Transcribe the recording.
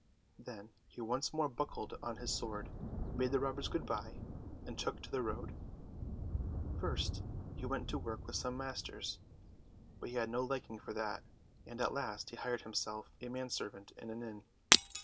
Then he once more buckled on his sword, bade the robbers goodbye, and took to the road. First, he went to work with some masters, but he had no liking for that, and at last he hired himself as man servant in an inn.